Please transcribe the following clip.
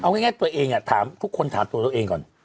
เอาง่ายตัวเองทุกคนถามตัวตัวเองก่อน